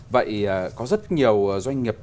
vậy có rất nhiều doanh nghiệp